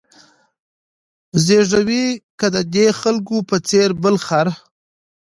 زېږوې که د دې خلکو په څېر بل خر